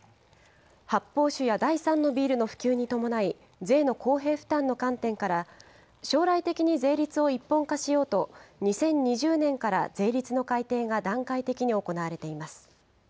発泡酒や第３のビールの普及に伴い、税の公平負担の観点から、将来的に税率を一本化しようと、２０２０年から税率の改定が段階的に行われています。